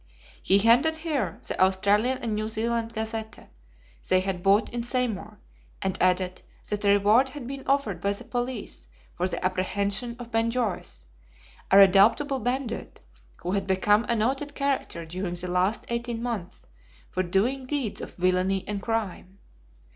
He handed her the Australian and New Zealand Gazette they had bought in Seymour, and added that a reward had been offered by the police for the apprehension of Ben Joyce, a redoubtable bandit, who had become a noted character during the last eighteen months, for doing deeds of villainy and crime.